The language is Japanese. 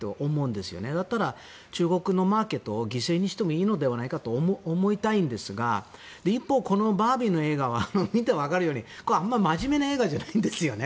ですから、中国のマーケットを犠牲にしてもいいのではないかと思うんですが一方でバービーの映画は見てわかるようにこれ、あまり真面目な映画じゃないんですよね。